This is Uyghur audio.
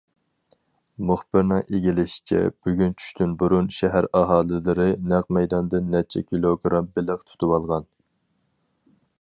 مۇخبىرنىڭ ئىگىلىشىچە، بۈگۈن چۈشتىن بۇرۇن، شەھەر ئاھالىلىرى نەق مەيداندىن نەچچە كىلوگىرام بېلىق تۇتۇۋالغان.